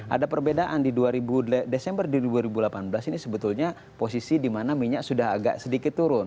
ada perbedaan di desember dua ribu delapan belas ini sebetulnya posisi di mana minyak sudah agak sedikit turun